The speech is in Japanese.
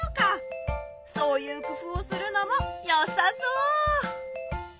そういう工夫をするのもよさそう！